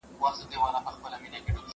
زه اجازه لرم چي کار وکړم؟!